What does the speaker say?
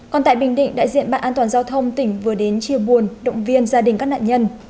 còn tại bình định đại diện ban an toàn giao thông tỉnh vừa đến chia buồn động viên gia đình các nạn nhân